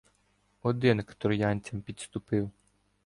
Один к троянцям підступив.